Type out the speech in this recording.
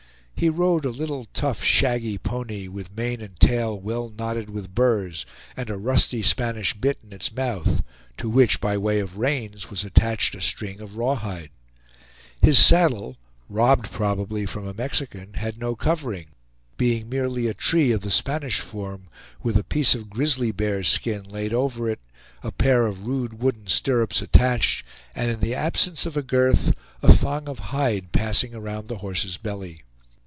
He rode a little tough shaggy pony, with mane and tail well knotted with burrs, and a rusty Spanish bit in its mouth, to which, by way of reins, was attached a string of raw hide. His saddle, robbed probably from a Mexican, had no covering, being merely a tree of the Spanish form, with a piece of grizzly bear's skin laid over it, a pair of rude wooden stirrups attached, and in the absence of girth, a thong of hide passing around the horse's belly.